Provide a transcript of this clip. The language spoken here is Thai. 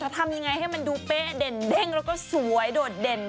ทำยังไงให้มันดูเป๊ะเด่นเด้งแล้วก็สวยโดดเด่น